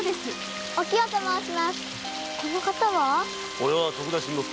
俺は徳田新之助。